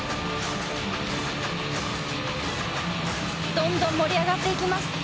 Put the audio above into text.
どんどん盛り上がっていきます。